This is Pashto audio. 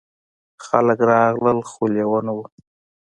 خلک راغلل خو لیوه نه و.